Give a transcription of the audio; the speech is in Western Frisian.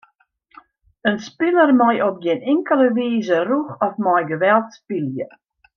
In spiler mei op gjin inkelde wize rûch of mei geweld spylje.